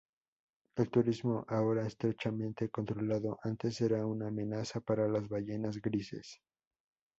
El turismo, ahora estrechamente controlado, antes era una amenaza para las ballenas grises.